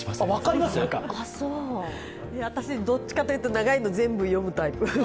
私、どっちかというと長いの全部読むタイプ。